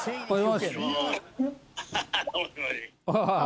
ハハハ。